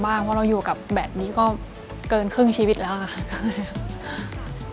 เพราะเราอยู่กับแบตนี้ก็เกินครึ่งชีวิตแล้วค่ะ